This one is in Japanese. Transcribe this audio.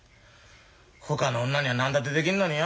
ほかの女には何だってできんのによ。